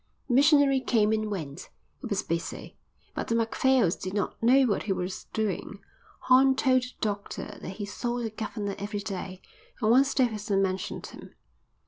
The missionary came and went. He was busy, but the Macphails did not know what he was doing. Horn told the doctor that he saw the governor every day, and once Davidson mentioned him.